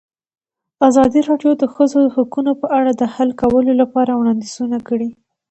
ازادي راډیو د د ښځو حقونه په اړه د حل کولو لپاره وړاندیزونه کړي.